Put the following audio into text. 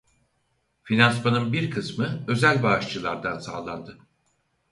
Finansmanın bir kısmı özel bağışçılardan sağlandı.